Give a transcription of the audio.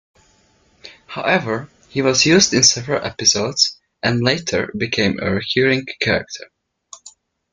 However, he was used in several episodes and later became a recurring character.